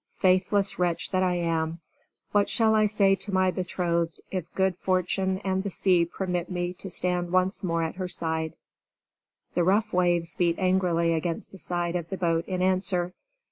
"Faithless wretch that I am, what shall I say to my betrothed if good fortune and the sea permit me to stand once more at her side?" The rough waves beat angrily against the side of the boat in answer.